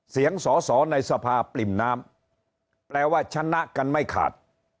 เสียงสอสอในสภาปริ่มน้ำแปลว่าชนะกันไม่ขาด